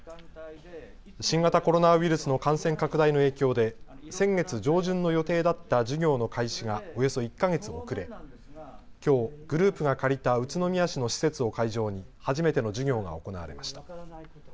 新型コロナウイルスの感染拡大の影響で先月上旬の予定だった授業の開始がおよそ１か月遅れきょう、グループが借りた宇都宮市の施設を会場に初めての授業が行われました。